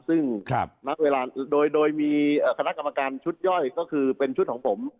ซึ่งณเวลาโดยมีคณะกรรมการชุดย่อยก็คือเป็นชุดของผม